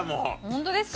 ホントですか？